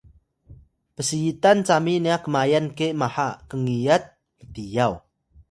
psyitan cami nya kmayan ke maha kngiyat mtiyaw